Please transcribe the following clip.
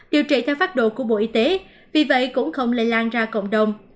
điều trị theo phát độ của bộ y tế vì vậy cũng không lây lan ra cộng đồng